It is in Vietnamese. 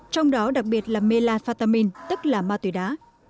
trong đó đặc biệt là melafetamin tức là ma túy đá